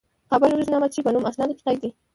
د کابل روزنامچې په نوم اسنادو کې قید دي.